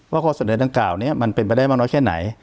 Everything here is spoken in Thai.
ข้อเสนอดังกล่าวนี้มันเป็นไปได้มากน้อยแค่ไหน